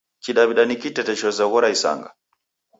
Kidaw'ida ni kiteto chezoghora isanga.